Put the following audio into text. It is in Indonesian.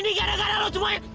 ini gara gara lo cuma ya